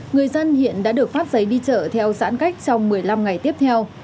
người dân hiện đã được phát giấy đi chợ theo giãn cách trong một mươi năm ngày tiếp theo